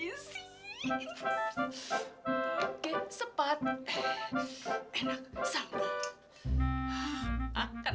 ini pada mau makan pak kagak sih